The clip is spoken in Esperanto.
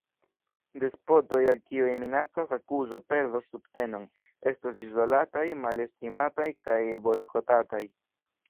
Despotoj, al kiuj minacas akuzo, perdos subtenon, estos izolataj, malestimataj kaj bojkotataj.